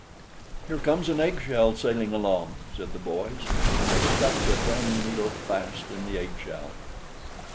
"Here comes an eggshell sailing along!" said the boys; and they stuck the Darning needle fast in the eggshell.